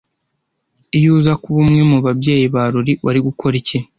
Iyo uza kuba umwe mu babyeyi ba Lori wari gukora iki